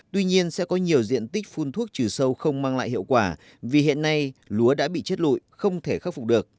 tuy nhiên sẽ có nhiều diện tích phun thuốc trừ sâu không mang lại hiệu quả vì hiện nay lúa đã bị chết lụi không thể khắc phục được